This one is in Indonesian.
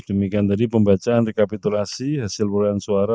demikian tadi pembacaan rekapitulasi hasil perolehan suara